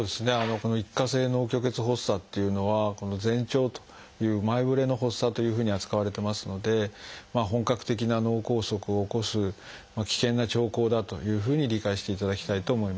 この一過性脳虚血発作っていうのは前兆という前触れの発作というふうに扱われてますので本格的な脳梗塞を起こす危険な兆候だというふうに理解していただきたいと思います。